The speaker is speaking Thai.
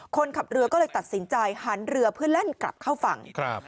คนขับเรือก็เลยตัดสินใจหันเรือเพื่อแล่นกลับเข้าฝั่ง